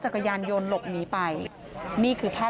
โชว์บ้านในพื้นที่เขารู้สึกยังไงกับเรื่องที่เกิดขึ้น